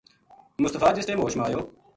مصطفی جس ٹیم ہوش ما آیو